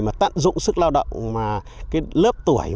mà tận dụng sức lao động mà cái lớp tuổi